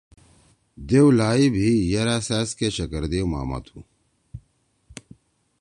دیؤ لائی بھیِئی یرأ سأزکے شکر دیؤ ماما تُھو۔